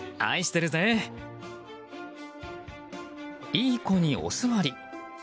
いい子にお座り。